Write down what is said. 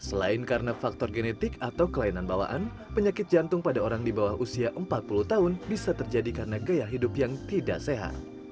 selain karena faktor genetik atau kelainan bawaan penyakit jantung pada orang di bawah usia empat puluh tahun bisa terjadi karena gaya hidup yang tidak sehat